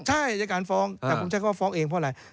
ใช่อายการฟ้องแต่ผมใช้คำว่าฟ้องเองเพราะอะไร